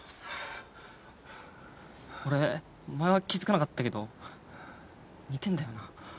俺前は気付かなかったけど似てんだよな。